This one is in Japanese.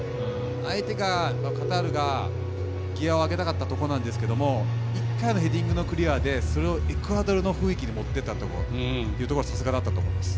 相手がカタールがギヤを上げたかったところですが１回のヘディングのクリアでエクアドルの雰囲気に持っていったところはさすがだったと思います。